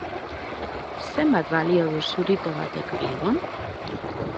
Zenbat balio du zurito batek Bilbon?